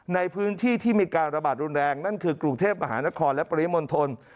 ในพื้นที่ที่มีการระบาดรุนแรงนั่นคือกรุงเทพมหานครและปริมณฑล